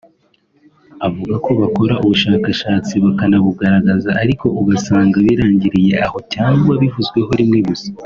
avuga ko bakora ubushakashatsi bakanabugaragaza ariko ugasanga birangiriye aho cyangwa bivuzweho rimwe gusa